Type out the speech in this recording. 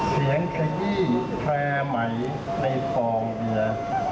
เสียงขยี้แพร่ไหมในปองเบียร์